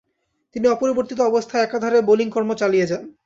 তিনি অপরিবর্তিত অবস্থায় একাধারে বোলিং কর্ম চালিয়ে যান।